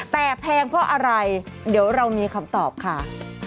แต่แพงเพราะอะไรเดี๋ยวเรามีคำตอบค่ะ